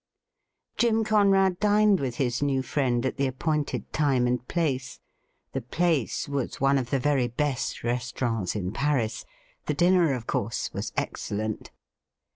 Jim Conrad dined with his new friend at the appointed time and place. The place was one of the very best restaurants in Paris ; the dinner, of course, was excellent.